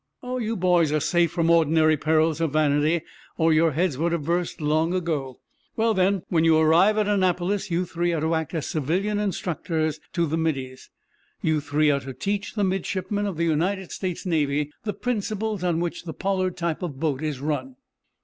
"Oh, you boys are safe from the ordinary perils of vanity, or your heads would have burst long ago. Well, then, when you arrive at Annapolis, you three are to act as civilian instructors to the middies. You three are to teach the midshipmen of the United States Navy the principles on which the Pollard type of boat is run.